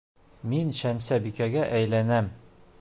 Мин Шәмсебикәгә әйләнәм!